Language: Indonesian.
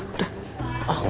gak ada tuh kum